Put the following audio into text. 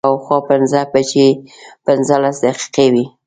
شا او خوا پنځه بجې پنځلس دقیقې وې.